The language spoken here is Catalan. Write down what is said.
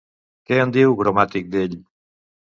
Què en diu Gromàtic d'ell?